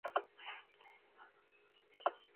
Mahatma Gandhi fue asesinado por fundamentalistas hindúes.